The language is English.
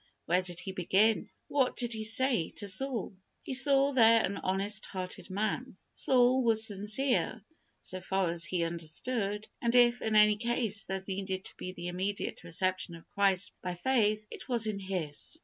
Where did He begin? What did He say to Saul? He saw there an honest hearted man. Saul was sincere, so far as he understood, and if, in any case, there needed to be the immediate reception of Christ by faith, it was in his.